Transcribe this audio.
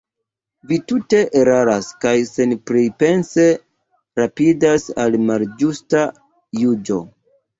Vi tute eraras kaj senpripense rapidas al malĝusta juĝo.